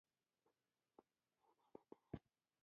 دوی د کوچنیو او نازکو شیانو جوړول پیل کړل.